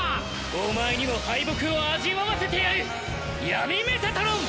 お前にも敗北を味わわせてやる！